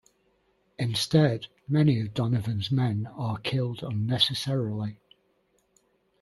Instead, many of Donovan's men are killed unnecessarily.